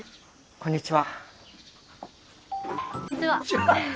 こんにちは！